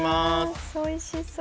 おいしそう。